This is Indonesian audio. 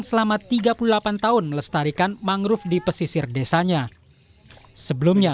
kesabaran niat yang baik ya sudah